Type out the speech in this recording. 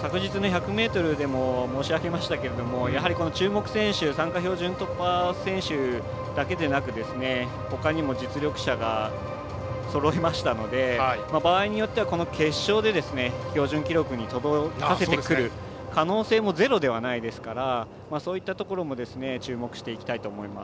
昨日の１００ｍでも申し上げましたけど参加標準記録突破選手だけでなくほかにも実力者がそろいましたので場合によっては決勝で標準記録に届かせてくる可能性もゼロではないですからそういったところも注目していきたいと思います。